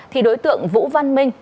thì đối tượng vũ văn minh